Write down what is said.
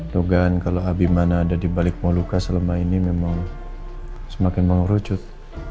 tuh kan kalo abi mana ada dibalik moluka selama ini memang semakin mau lucut